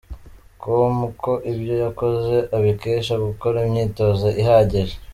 com ko ibyo yakoze abikesha gukora imyitozo ihagije.